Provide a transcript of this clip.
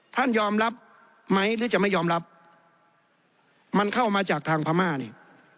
ท่านยอมรับไหมหรือจะไม่ยอมรับมันเข้ามาจากทางพม่านี่